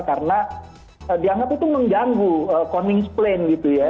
karena dianggap itu menjanggu konings plane gitu ya